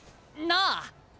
なあ！